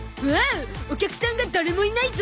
おおお客さんが誰もいないゾ